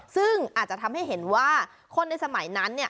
ซึ่งอาจจะทำให้เห็นว่าคนในสมัยนั้น